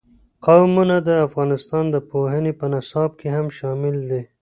قومونه د افغانستان د پوهنې په نصاب کې هم شامل دي.